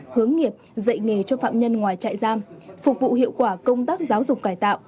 hướng nghiệp dạy nghề cho phạm nhân ngoài trại giam phục vụ hiệu quả công tác giáo dục cải tạo